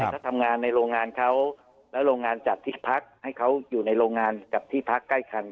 ถ้าทำงานในโรงงานเขาแล้วโรงงานจัดที่พักให้เขาอยู่ในโรงงานกับที่พักใกล้คัน